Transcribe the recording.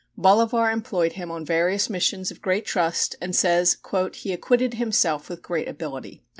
Bolivar employed him on various missions of great trust and says "he acquitted himself with great ability."